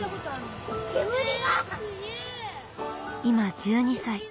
今１２歳。